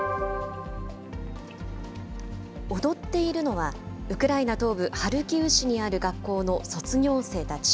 踊っているのは、ウクライナ東部ハルキウ市にある学校の卒業生たち。